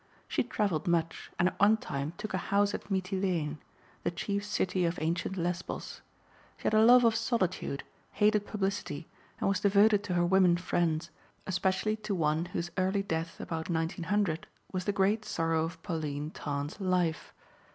She travelled much and at one time took a house at Mitylene, the chief city of ancient Lesbos. She had a love of solitude, hated publicity, and was devoted to her women friends, especially to one whose early death about 1900 was the great sorrow of Pauline Tarn's life.